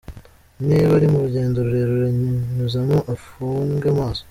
Niba uri mu rugendo rurerure nyuzamo ufunge amaso.